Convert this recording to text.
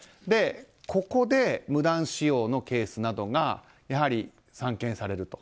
ここで、無断使用のケースなどがやはり散見されると。